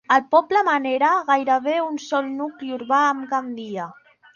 El poble manera gairebé un sol nucli urbà amb Gandia.